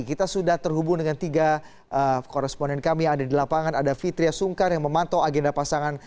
kita sudah terhubung dengan tiga koresponen kami yang ada di lapangan ada fitriah sungkar yang memantau agenda pasangan